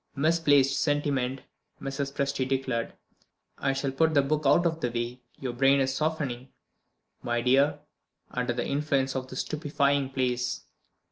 "Misplaced sentiment," Mrs. Presty declared; "I shall put the book out of the way. Your brain is softening, my dear, under the influence of this stupefying place."